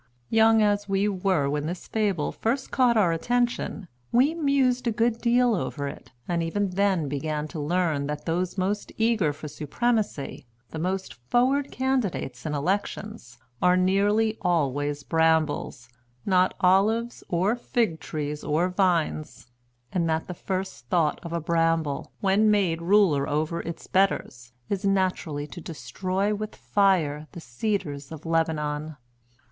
Young as we were when this fable first caught our attention, we mused a good deal over it, and even then began to learn that those most eager for supremacy, the most forward candidates in elections, are nearly always brambles, not olives or fig trees or vines; and that the first thought of a bramble, when made ruler over its betters, is naturally to destroy with fire the cedars of Lebanon.